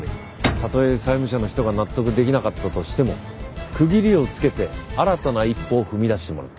たとえ債務者の人が納得できなかったとしても区切りをつけて新たな一歩を踏み出してもらう。